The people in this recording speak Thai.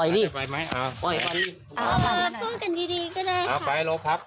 ก็ได้ขอไป